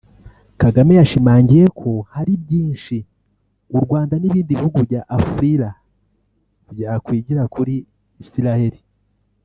Kagame yashimangiye ko hari byinshi u Rwanda n’ibindi bihugu bya Afurila byakwigira kuri Israel